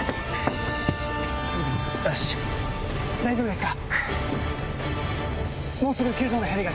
大丈夫ですか？